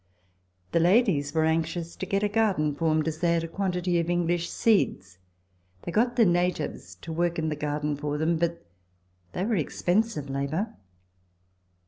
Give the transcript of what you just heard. The ladies were anxious to get a garden formed, as they had a quantity of English seeds. They got the natives to work in the garden for them, but they were expensive labour.